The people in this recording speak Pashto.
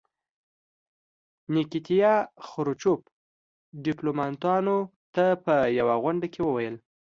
نیکیتیا خروچوف ډیپلوماتانو ته په یوه غونډه کې وویل.